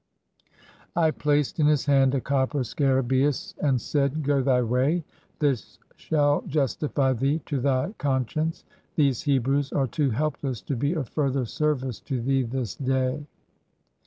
I placed in his hand a copper scarab(Eus, a,nd said: " Go thy way! This shall justify thee to thy conscience. These Hebrews are too helpless to be of further service to thee this day."